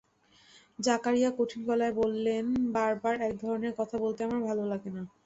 জাকারিয়া কঠিন গলায় বললেন, বারবার এক ধরনের কথা বলতে আমার ভালো লাগে না।